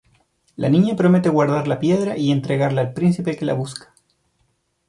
La niña promete guardar la piedra y entregarla al príncipe que la busca.